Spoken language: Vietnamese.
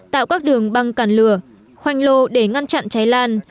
tạo các đường băng cản lửa khoanh lô để ngăn chặn cháy lan